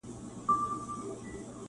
o د سیالانو سره کله به سمېږې,